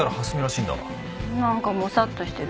なんかモサッとしてる。